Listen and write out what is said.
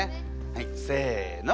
はいせの！